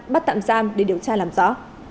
bắt tạm giam để điều tra làm rõ